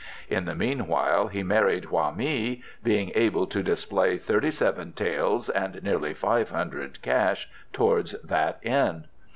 In the meanwhile he married Hoa mi, being able to display thirty seven taels and nearly five hundred cash towards that end.